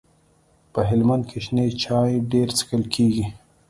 په هلمند کي شنې چاي ډيري چیښل کیږي.